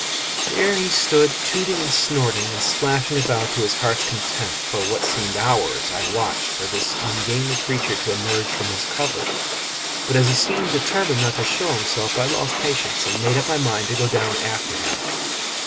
Here he stood tooting and snorting and splashing about to his heart's content. For what seemed hours I watched for this ungainly creature to emerge from his covert, but as he seemed determined not to show himself I lost patience and made up my mind to go down after him.